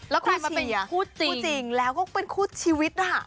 แล้วใครมาเป็นคู่จริงแล้วก็เป็นคู่ชีวิตอ่ะ